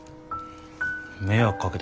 迷惑かけたから。